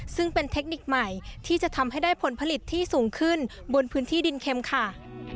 ซึ่งเป็นเทคนิคใหม่ที่จะทำให้ได้ผลผลิตที่สูงขึ้นบนพื้นที่ดินเข็มค่ะ